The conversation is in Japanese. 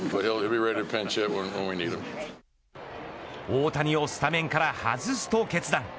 大谷をスタメンから外すと決断。